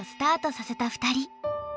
させた２人。